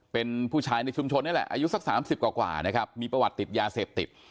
เป็นผู้ชายในชุมชนนี่แหละอายุสัก๓๐กว่านะครับมีประวัติติดยาเสพติด